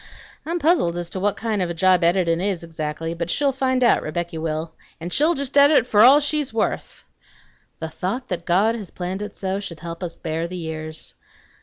I'm puzzled as to what kind of a job editin' is, exactly; but she'll find out, Rebecky will. An' she'll just edit for all she's worth! "'The thought that God has planned it so Should help us bear the years.'